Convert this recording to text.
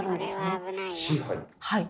はい。